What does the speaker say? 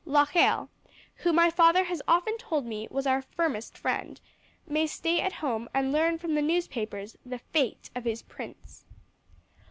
Locheil, who my father has often told me was our firmest friend, may stay at home and learn from the newspapers the fate of his prince."